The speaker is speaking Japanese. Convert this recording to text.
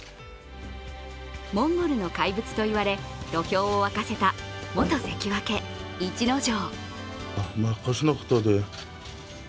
モンゴルの怪物と言われ土俵をわかせた元関脇・逸ノ城。